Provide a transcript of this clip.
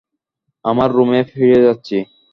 আমার রুমে ফিরে যাচ্ছি।